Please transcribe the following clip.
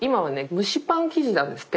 蒸しパン生地なんですって。